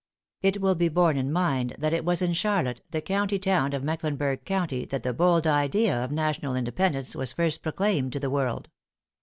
It will be borne in mind that it was in Charlotte, the county town of Mecklenburg County, that the bold idea of National Independence was first proclaimed to the world.